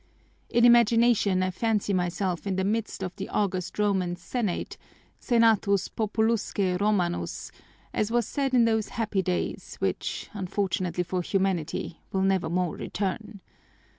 In imagination I fancy myself in the midst of the august Roman senate, senatus populusque romanus, as was said in those happy days which, unfortunately for humanity, will nevermore return.